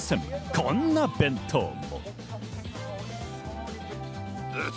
こんな弁当も。